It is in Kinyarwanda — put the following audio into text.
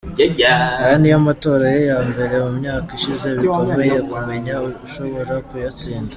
Aya niyo matora ya mbere mu myaka ishize bikomeye kumenya ushobora kuyatsinda.